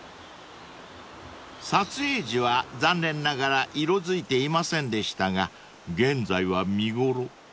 ［撮影時は残念ながら色づいていませんでしたが現在は見ごろ］